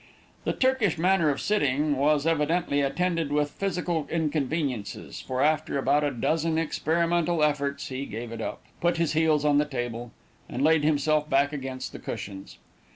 The Turkish manner of sitting was, evidently, attended with physical inconveniences, for, after about a dozen experimental efforts, he gave it up, put his heels on the table, and laid himself back against the cushions.